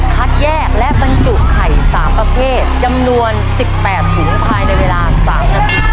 คัดแยกและบรรจุไข่๓ประเภทจำนวน๑๘ถุงภายในเวลา๓นาที